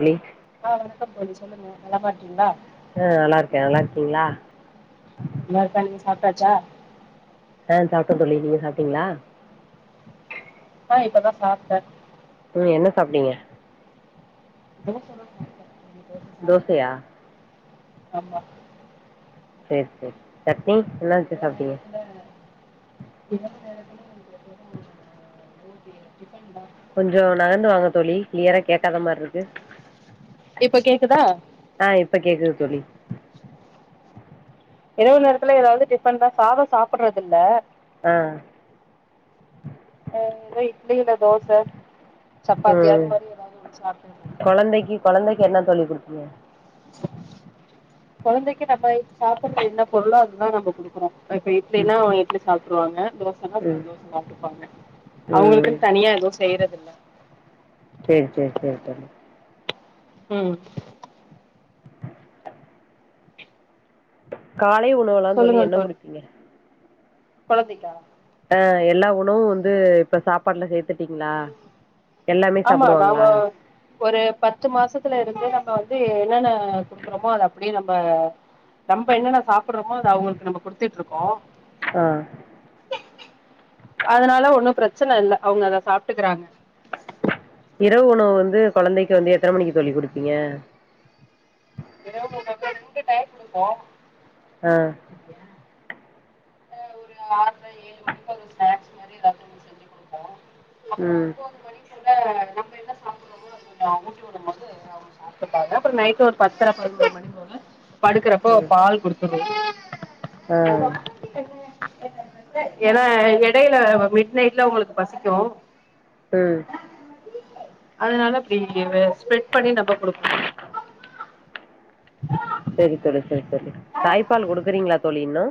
Hello ஆ வணக்கம் தோழி சொல்லுங்க நலமா இருக்கீங்ளா ஆ நல்லா இருக்கே நல்லா இருக்கீங்ளா நல்லா இருக்கே நீங்க சாப்டாச்சா ஆ சாப்டே தோழி நீங்க சாப்டீங்ளா ஆ இப்பதா சாப்டே ம் என்ன சாப்ட்டீங்க தோச தான் சாப்ட்டேன். ரெண்டு தோச சாப்ட்டேன். தோசையா ஆமா சேரி சேரி சட்னி என்னா வெச்சி சாப்ட்டீங்க இவங்க டிபன்தா கொஞ்சோ நகந்து வாங்க தோழி கிளியரா கேட்காத மாரி இருக்கு இப்ப கேக்குதா ஆ இப்ப கேக்குது தோழி இரவு நேரத்துல எதாவது டிஃபன்தா சாதோ சாப்பறதில்ல ஆ அ எதோ இட்லி இல்ல தோச சப்பாத்தி அது மாரி எதாவது ஒன்னு [inaudible] கொழந்தைக்கி கொழந்தைக்கி என்னத் தோழி குடுப்பீங்க கொழந்தைக்கி நம்ம சாப்பறது என்னப் பொருளோ அததா நம்பக் குடுக்குறோ இப்ப இப்ப ம் இட்லினா இட்லி சாப்ட்ருவாங்க தோசனா சில ம் தோச சாப்டுப்பாங்க அவுங்குளுக்குன் ம் தனியா எதுவு செய்றதில்ல சே சே சே தோழி ம் காலை உணவுலாந் தோழி என்ன குடுப்பீங்க கொழந்தைக்கா ஆ எல்லா உணவு வந்து இப்ப சாப்பாட்ல சேத்துட்டீங்ளா எல்லாமே ஆமா சாப்புடுவாங்ளா நாம ஒரு பத்து மாசத்துல இருந்து நம்ம வந்து என்னென்ன குடுக்குறோமோ அத அப்டியே நம்ப நம்ப என்னென்ன சாப்பிட்றோமோ அது அவுங்களுக்கு நம்ப குடுத்துட்ருக்கோ ஆ அதனால ஒன்னும் பிரச்சன இல்ல அவுங்க அத சாப்ட்டுக்கறாங்க இரவு உணவு வந்து கொழந்தைக்கு வந்து எத்தன மணிக்கு தோழி குடுப்பீங்க இரவு உணவு ரெண்டு டைம் குடுப்போ ஆ [inaudible] ட ஒரு ஆறுல ஏழு மணிக்கு ஒரு ஸ்நாக்ஸ் மாரி எதாவது ஒன்னு செஞ்சு குடுப்போ அப்றோ ம் [unintelligible] நம்ம என்ன சாப்புர்றமோ அது கொஞ்சோ ஊட்டி வுடம்மோது அவுங்க சாப்ட்டுப்பாங்க அப்றோ நைட்டு ஒரு பத்தர பதனோரு மணிப் போல படுக்கறப்ப ம் பால் குடுத்துரு ஆ [unintelligible] எனா எடையில மிட் நைட்ல உங்களுக்கு பசிக்கு ம் அதனால அப்டி வே ஸ்பெட் பண்ணி நம்ப குடுப்போ [unintelligible] செரித் தோழி செரித் தோழி தாய்ப்பால் குடுக்குறீங்ளாத் தோழி இன்னு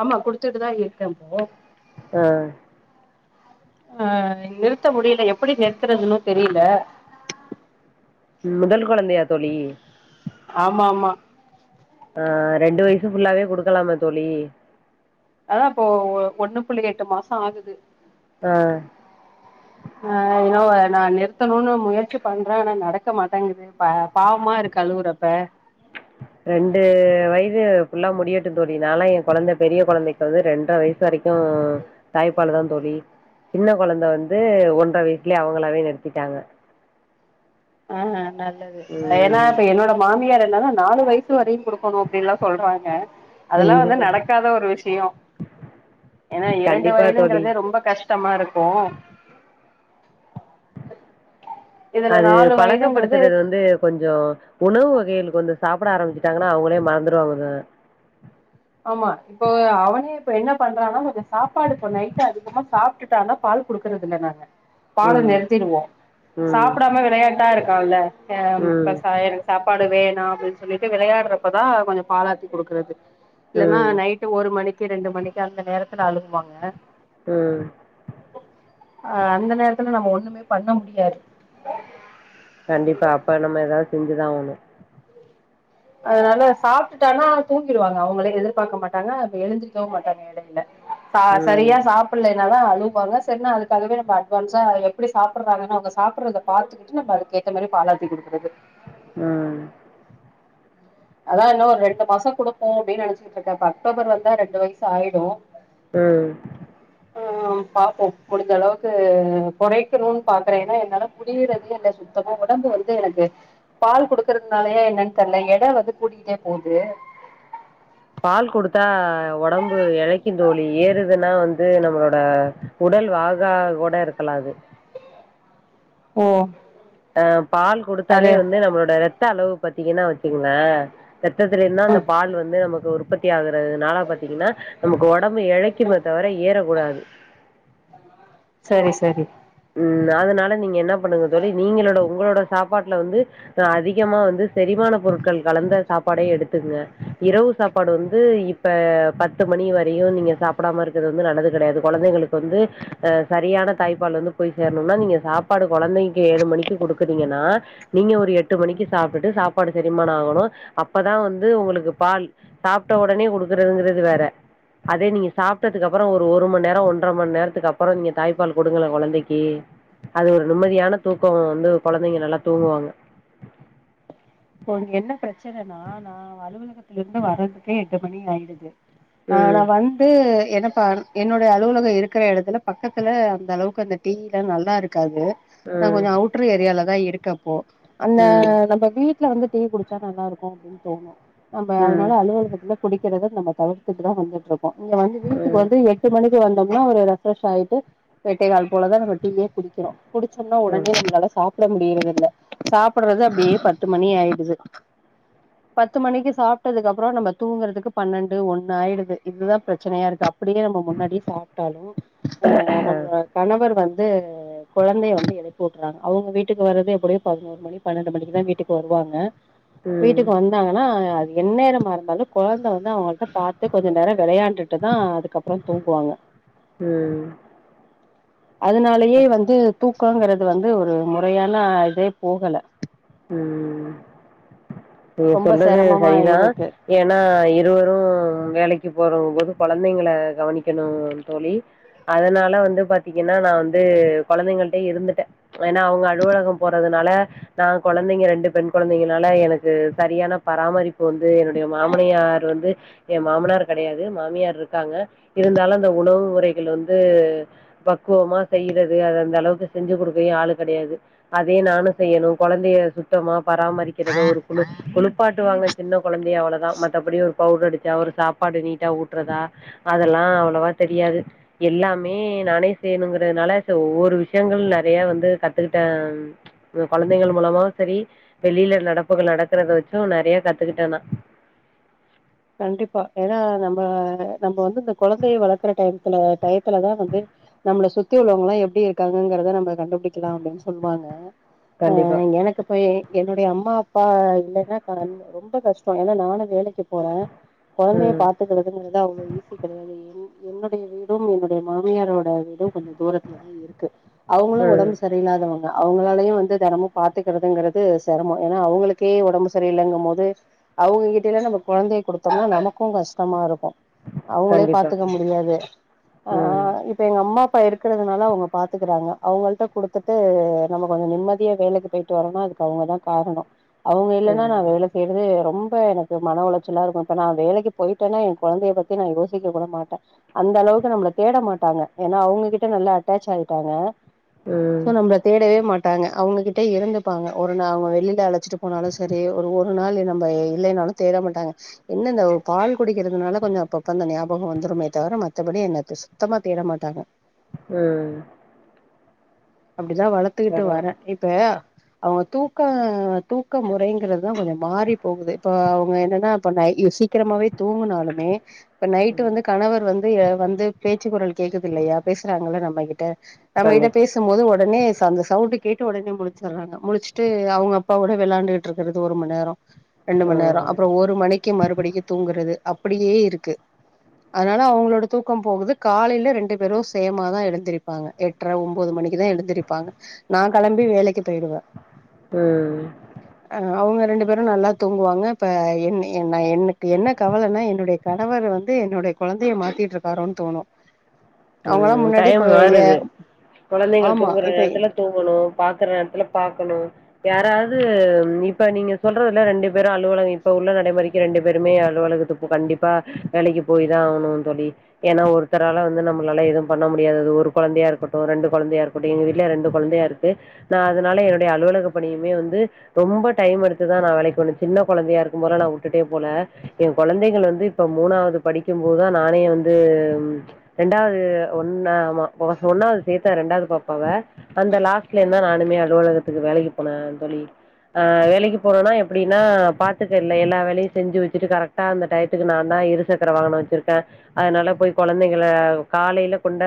ஆமா குடுத்துட்டுதா இருக்கேம்போ ஆ ஆ நிறுத்த முடியில எப்புடி நிறுத்தறதுனு தெரியில ம் முதல் கொழந்தையா தோழி ஆமா மா ஆ ரெண்டு வயசு ஃபுல்லாவே குடுக்கலாமே தோழி அதா இப்போ ஒ ஒன்னு புள்ளி எட்டு மாசோ ஆகுது ஆ ஆ எனோ நா நிறுத்தணுனு முயற்சி பண்றே ஆனா நடக்க மாட்டேங்குது ப பாவமா இருக்கு அழுவுறப்பே ரெண்டு வயது ஃபுல்லா முடியட்டுந் தோழி நாலா எ கொழந்த பெரிய கொழந்தைக் இப்ப வந்து ரெண்ர வயசு வரைக்கு தாய்ப்பாலுதாந் தோழி சின்ன கொழந்த வந்து ஒன்ற வயிச்லே அவங்களாவே நிறுத்திட்டாங்க ஆ நல்லது ஏனா ம் இப்ப என்னோட மாமியார் என்னன்னா நாலு வயசு வரையு குடுக்கணு அப்டின்லா சொல்றாங்க அதெல்லா ஐயோ வந்து நடக்காத ஒரு விஷ்யோ ஏன்னா இரண்டு கண்டிப்பா தோழி வயதுங்கறதே ரொம்ப கஷ் டமா இருக்கு இது அது பழக்கப்படுத்துறது வந்து கொஞ்சோ உணவு வகைகளு கொஞ்ச சாப்பட ஆரம்பிச்சிட்டாங்கன்னா அவுங்ளே மறந்துடுவாங்க ஆமா இப்போ அவனே இப்ப என்ன பண்றான்னா கொஞ்ச சாப்பாடு இப்போ நைட்டு அதிகமா சாப்ட்டுட்டனா பால் குடுக்கறதில்ல நா ஆ பால ம் நிறுத்திடுவோ ம் சாப்படாம விளையாட்டா இருக்கான்ல அ ம் இப்ப சாயல் சாப்பாடு வேணா அப்டின் சொல்லிட்டு விளையாட்றப்பதா கொஞ்ச பாலாத்தி குடுக்குறது இல்லன்னா ம் நைட்டு ஒரு மணிக்கி ரெண்டு மணிக்கு அந்த நேரத்துல அழுவாங்க ம் அ அந்த நேரத்துல நம்ம ஒண்ணுமே பண்ண முடியாது கண்டிப்பா அப்ப நம்ம ஏதாவது செஞ்சுதா ஆவுணு அதனால சாப்ட்டுட்டானா தூங்கிடுவாங்க அவுங்ளே எதிர்பார்க்க மாட்டாங்க அப்டி எழுஞ்சிரக்கவு மாட்டாங்க இடையில ச சரியா ம் சாப் [unintelligible] என்னவோ அழுவாங்க செரின் அதுக்காகவே நம அட்வான்ஸா எப்டி சாப்பறாங்கன்னு அவுங்க சாப்பறத பாத்து வந்துட்டு நம்ம அதுக்கு ஏத்த மாரி பாலாத்தி குடுக்குறது ம் அதா இன்னு ஒரு ரெண்டு மாசோ குடுப்போ அப்டின் நெனச்சிட்ருக்கே இப்ப அக்டோபர் வந்தா ரெண்டு வயசு ஆயிடு ம் ம் பாப்போ முடிச்ச அளவுக்கு கொறைக்கணுன் பாக்குற ஏன்னா என்னால முடியறதே இல்ல சுத்தமா உடம்பு வந்து எனக்கு பால் குடுக்கறதுனாலயே என்னன் தெர்ல எட வந்து கூடிக்கிட்டே போது பால் குடுத்தா உடம்பு இழைக்கு தோழி ஏறுதுன்னா வந்து நம்மளோட உடல் வாகா கூட இருக்கலா அது ஓ அ பால் குடுத்தாலே அது வந்து நம்மளோட இரத்த அளவு பத்தீங்கன்னா வச்சுங்க ரத்தல இருந்தா அந்த ம் பால் வந்து நமக்கு உற்பத் ஆகுறிறதுனால பாத்தீங்கன்னா நமக்கு உடம்பு இழைக்கும்மோ தவிர ஏறக்கூடாது சரி சரி ம் அதனால நீங்க என்ன பண்ணுங்க தோழி நீங்களோட உங்களோட சாப்பாட்டுல வந்து அதிகமா வந்து செரிமான பொருட்கள் கலந்த சாப்பாடே எடுத்துங்க இரவு சாப்பாடு வந்து இப்ப பத்து மணி வரையு நீங்க சாப்படாம இருக்கிறது வந்து நல்லது கெடையாது கொழந்தைங்களுக்கு வந்து அ சரியான தாய்ப்பால் வந்து போய் சேர்ணுனா நீங்க சாப்பாடு கொழந்தைக்கு ஏழு மணிக்கு குடுக்குறீங்கன்னா நீங்க ஒரு எட்டு மணிக்கு சாப்டுட்டு சாப்பாடு செரிமானோ ஆகணு அப்பதா வந்து உங்களுக்கு பால் சாப்ட்ட உடனே குடுக்குறதுங்கிறது வேற அதே நீங்க சாப்ட்டதுக்கு அப்புறோ ஒரு மண் நேரோ ஒன்ற மண் நேரத்துக்கு அப்புறோ நீங்க தாய்ப்பால் குடுங்களங்க கொழந்தைக் அது ஒரு நிம்மதியான தூக்கோ வந்து கொழந்தைங்க நல்லா தூங்குவாங்க இப்ப உங்க என்ன பிரச்சனன்னா நா அலுவலகத்தில இருந்து வர்றதுக்கே எட்டு மணி ஆயிடுது ம் ஆனவன் இ என்னப்பா என்னுடைய அலுவலகம் இருக்கிற இடத்துல பக்கத்துல அந்த அளவுக்கு அந்த டீலா நல்லா இருக்காது நா ம் கொஞ்ச அவுட்டர் ஏரியால தா இருக்க இப்போ அந்த ம் நம்ம வீட் வீட்ல வந்து டீ குடிச்சா நல்லா இருக்கூ அப்டின் தோணு நம்ப ம் அதனால அலுவலகத்துல குடிக்கறத நம்ம தவிர்த்துட்டு தா வந்துட்ருக்கோ இங்க வந்து வீட்டுக்கு ம் வந்து எட் எட்டு மணிக்கு வந்தோம்னா ஒரு ரெஃப்ரெஷ் ஆயிட்டு எட்டே கால் போலதா நம்மடீயே குடிக்கிறோ குடிச்சோம்னா ஒடனே ம் நம்ளால சாப்ட முடியரது இல்ல சாப்பறது அப்டியே ப பத்து மணி ஆயிடுது பத்து மணிக்கு சாப்ட்டதுக்கு அப்பறோ நம்ம தூங்குறதுக்கு பன்னெண்டு ஒண்ணு ஆயிடுது இதுதா பிரச்சனையா இருக்கு அப் அப்படியே நம்ப முன்னாடியே சாப்ட்டாலு ஆ நம்மளோட கணவர் வந்து கொழந்தைய வந்து எழப்பி வுட்றாங்க அவுங்க வீட்டுக்கு வரது எப்படியோ பதினோரு மணி பன்னெண்டு மணிக்கு தா வீட்டுக்கு க்கு வருவாங்க வீட்டுக்கு வந்தாங்கன்னா அது எந்நேரமா இருந்தாலு கொழந்தை வந்து அவுங்களுக் பாத்து கொஞ்ச நேரொ விளையாண்டுட்டு தா அதுக்கப்புறொ தூங்குவாங்க ம் அதனாலயே வந்து தூக்கங்கறது வந்து ஒரு முறையான இதே போகல ம் நீங்க ரொம்ப சொல்றது சிரமமா சரிதா இருக்கு ஏன்னா இருவரு வேலைக்கி போறங்க போது கொழந்தைங்கள கவனிக்கணு தோழி அதனால வந்து பாத்தீங்கன்னா நா வந்து கொழந்தைங்ள்ட்டயே இருந்துட்டே ஏன்னா அவுங்க அலுவலகம் போறதுனால நா கொழந்தைங்க ரெண்டு பெண் கொழந்தைங்கனால எனக்கு சரியான பராமரிப் இப்போ வந்து என்னுடைய மாமனியார் வந்து என் மாமனார் கடையாது மாமியார் இருக்காங்க இருந்தாலு இந்த உணவு முறைகள் வந்து பக்குவமா செய்யிறது அது அந்த அளவுக்கு செஞ்சு குடுக்கயு ஆளு கெடையாது அதே நானு செய்யணு கொழந்தைய சுத்தமா பராமரிக்கிறதோ ஒரு குழு குழுப்பாட்டு வாங்க சின்ன கொழந்தையை அவ்ளதா மத்தபடி ஒரு பவுட்ரு அடிச்சா ஒரு சாப்பாடு நீட்டா ஊட்டுறதா அதெல்லா அவ்வளவா தெரியாது எல்லாமே நானே செய்யணுங்கிறதுனால ஒவ்வொரு விஷயங்களு நறைய வந்து கத்துக்கிட்டே கொழந்தைகள் மூலமாவு சரி வெளியில நடப்புகள் நடக்கறத வச்சு நறைய கத்துக்கிட்டே நா கண்டிப்பா ஏன்னா நம்ம நம்ப வந்து இந்த கொழந்தைய வளக்குற டைம்த்துல டயத்துலதா வந்து நம்மள சுத்தி உள்ளவுங்க எல்லா எப்டி இருக்காங்ககிறத நம்ம கண்டுபிடிக்கலா அப்டின்னு சொல்வாங்க ஆ கண்டிப்பாக எனக்கு போய் என்னுடைய அம்மா அப்பா இல்லைன்னா ரொம்ப கஷ்டோ ஏன்னா நானு வேலைக்கி போற கொழந்தைய ம் பாத் துகிறதுங்கறது அவ்ளோ ஈசி கடையாது என் என்னுடைய வீடும் என்னுடைய மாமியாரோட வீடும் கொஞ்ச தூரத்தில தா இருக்கு அவுங்களு ம் ஒடம்பு சரி சரி இல்லாதவங்க அவுங்களாலயு வந்து தெனமு பாத்துக்கறதுங்கறது செரமொ ஏன்னா அவுங்களுக்கே ஒடம்பு சரியில்லங்கும் போது அவுங்க கிட்டேல்லா நம்ம கொழந்தைய குடுத்தோம்னா நமக்கூ கஷ்டமாருக்கூ அவுங்களே பாத்துக்க கண்டிப்பாக முடியாது ஆ ம் இப் இப்ப எங்க அம்மா அப்பா இருக்கறதுனால அவுங்க பாத்துக்குறாங்க அவங்கள்ட குடுத்துட்டு நம்ம கொஞ்ச நிம்மதியா வேலைக்கி போயிட்டு வரனா அதுக்கு அவுங்கதா காரணொ அவுங்க இல்லைன்னா நா ம் வேலை செய்யறது ரொம்ப எனக்கு மன உளைச்ச சளா இருக்கூ இப்ப நா வேலைக்கி போயிட்டனா எ கொழந்தைய பத்தி நா யோசிக்க கூட மாட்ட அந்த அளவுக்கு நம்மள தேட மாட்டாங்க ஏன்னா அவுங்ககிட்ட நல்லா அட்டாச் ஆயிட்டாங்க ம் சோ நம்பத் தேடவே மாட்டாங்க அவுங்ககிட்ட இருந்துப்பாங்க ஒருநா அவுங்க வெளிவ அழச்சிட்டு போனாலு சரி ஒரு ஒரு நாள் நம்ப இல்லைனாலு தேட மாட்டாங்க என்ன இந்த பால் குடிக்கிறதுனால கொஞ்சோ அப்பப்ப அந்த ஞாபக வந்துருமே தவர மத்தபடி என்ன சு சுத்தமா தேட மாட்டாங்க அ அப்டிதா வளத்துகிட்டு வர பரவாயில்ல இப்ப அவங்க தூக்க தூக்க முறைங்கிறதுதா கொஞ்ச மாறி போகுது இப்ப அவுங்க என்னன்னா இப்போ நைட்ல சீக்கிரமாவே தூங்குனாலுமே இப்ப நைட் ம் வந்து கணவர் வந்து வந்து பேச்சு குரள் கேக்குது இல்லையா பேசுறாங்கள நம்மகிட்ட நம்மகிட்ட கண்டிப்பாக பேச போது உடனே அந்த சவுண்ட் கேட்ட உடனே முலச்சர்றாங்க முலுச்சுட்டு அவங்க அப்பாவோட வெளாண்டுட்டு இருக்கிறது ஒரு மணி நேரோ ரெண்டு மணி ம் நேரோஅப்ரோ ஒரு மணிக்கு மறுபடிக்கு தூங்குறது அப்டியே இருக்கு அதனால அவங்களோட தூக்கம் போகுது காலையிலயே ரெண்டு பேரு சேமாதா எழுந்திருப்பாங்க எட் எட்ர ஒம்பது மணிக்குதா எழுந்திருப்பாங்க நா கெளம்பி வேலைக்கு போய்டுவே ம் அ அவுங்க ரெண்டு பேரு நல்லா தூங்குவாங்க இப்ப என்னி நா எனக்கு என்ன கவலைன்னா என்னுடைய கணவர் வந்து என்னுடைய குழந்தைய மாற்றிட்டுருக்காரோன்னு தோணு அவங்களா ம் முன்னாடி இப்ப டைம் எ மாறுது ஆமா இப்ப தூங்குணு பாக்கற நேரத்துல பாக்கணு யாராவது இப்ப நீங்க சொல்றதுல ரெண்டு பேரு அலுவலக இப்ப உள்ள நடைமுறைக்கு ரெண்டு பேருமே அலுவலகத்து கண்டிப்பா வேலைக்கு போய் தா ஆகணு தோழி ஏன்னா ஒருத்தரால வந்து நம்ம நல்லா எதுவு பண்ண முடியாது ஒரு கொழந்தையா இருக்கட்டு ரெண்டு கொழந்தையா இருக்கட்டு எங்க வீட்ல ரெண்டு கொழந்தையா இருக்கு நா அதனால என்னுடைய அலுவலக பணியுமே வந்து ரொம்ப டைம் எடுத்துதா நா வேலைக்கு வந்த சின்ன கொழந்தையா இருக்கு போல நா விட்டுட்டே போல என் கொழந்தைகள வந்து இப்ப மூணாவது படிக்கு போதுதா நானே வந்து ரெண்டாவது ஒன்னா ஆமா ஒன்னாவது சேத்தே ரெண்டாவது பாப்பாவ அந்த லாஸ்ட்ல இருந்தா நானுமே அலுவலகத்துல வேலைக்கு போன தோழி ஆ வேலைக்கு போனோனா எப்டினா பாத்துக்க இல்ல எல்லா வேலையு செஞ்சு வச்சுட்டு கரெக்ட் டா அந்த டயத்துக்கு நா தா இருசக்கர வாகன வச்சிருக்கே அதனால போய் கொழந்தைங்கள காலையில கொண்ட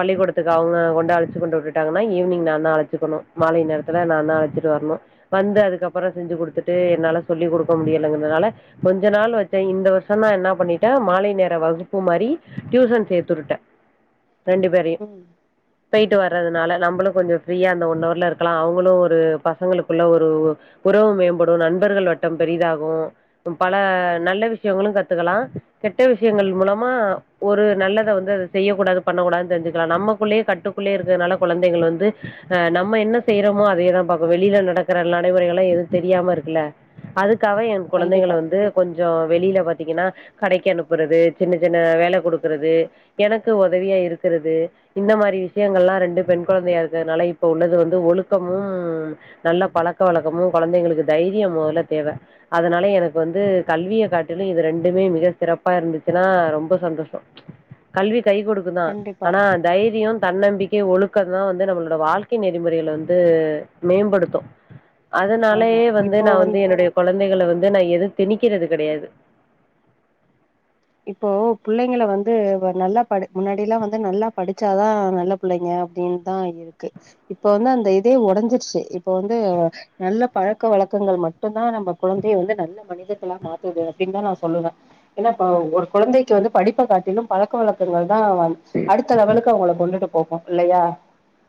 பள்ளிக்கூடத்துக்கு அவங்க கொண்டு அழச்சு கொண்டு விட்டுட்டாங்கன்னா ஈவினிங் நா தா அழச்சுகணு மாலை நேரத்துல நா தா அழச்சிட்டு வரனு வந்து அதுக்கப்ரோ செஞ்சு கொடுத்துட்டு என்னால சொல்லி கொடுக்க முடியலகுரதனால கொஞ்ச நாள் வச்ச இந்த வருஷ தா என்ன பண்ணிட்டா மாலை நேர வகுப்பு மாரி டியூசன் சேத்துருட்ட ரெண்டு பேரையு ம் போய்ட்டு வர்றதுனால நம்மளு கொஞ்ச ஃப்ரீயா அந்த ஒன்னவர்ல இருக்கலா அவங்களு ஒரு பசங்களுக்குள்ள ஒரு உறவு மேம்படு நண்பர்கள் வட்டம் பெரிதாகு பல நல்ல விஷயங்களு கத்துக்கலா கெட்ட விஷயங்கள் மூலமா ஒரு நல்ல வந்து அத செய்யக்கூடாது பண்ணக்கூடாது தெரிஞ்சுக்கலா நம்மக்குள்ளேயே கட்டுக்குள்ளே இருக்கனால குழந்தைகள் வந்து ஆ நம்ம என்ன செய்யறோமோ அதையேதா பாக்கோ வெளில நடக்கிற நடைமுறைகள்ல்லா எது தெரியாம இருக்குல்ல அதுக்காக எ குழந்தைகள கண்டிப்பா வந்து கொஞ்சொ வெளியில பாத்தீங்கன்னா கடைக்கு அனுப்புறது சின்ன சின்ன வேல கொடுக்குறது எனக்கு உதவியா இருக்குறது இந்த மாரி விஷயங்கள்ல்லா ரெண்டு பெண் குழந்தையா இருக்கிறதுனால இப்ப உள்ளது வந்து ஒழுக்கமும் நல்ல பழக்க வழக்கமு கொழந்தைங்களுக்கு தைரியம் முதல்ல தேவ அதனால எனக்கு வந்து கல்விய காட்டிலு இது ரெண்டுமே மிக சிறப்பா இருந்துச்சுன்னா ரொம்ப சந்தோஷோ கல்வி கை கொடுக்கு தா கண்டிப்பா ஆனா தைரியோ தன்னம்பிக்கை ஒழுக்கந்தா வந்து நம்மளோட வாழ்க்கை நெறிமுறைகளை வந்து மேம்படுத்து உ அதனாலயே வந்து நா வந்து என்னுடைய குழந்தைகள வந்து நா எது திணிக்கிறது கெடையாது இப்போ புள்ளைங்களை வந்து நல்லா படி முன்னாடியெல்லா வந்து நல்லா படிச்சாதா நல்ல புள்ளைங்க அப்டின்னுதா இருக்கு இப்ப வந்து அந்த இதே உடைஞ்சிருச்சு இப்ப வந்து நல்ல பழக்க வழக்கங்கள் மட்டும்தா நம்ம குழந்தைய வந்து நல்ல மனிதர்கலா மாத்துது அப்டின்னு தா நா சொல்லுவே அ ஒரு குழந்தைக்கு வந்து படிப்ப காட்டிலும் பழக்க வழக்கங்கள்தா அடுத்த லெவலுக்கு அவுங்கள கொண்டுட்டு போகு இல்லயா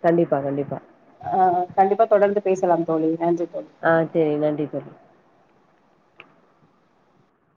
கண்டிப்பா கண்டிப்பா ஆ கண்டிப்பா தொடர்ந்து பேசலாம் தோழி நன்றி தோழி ஆ செரி நன்றி தோழி